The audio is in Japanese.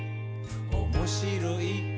「おもしろい？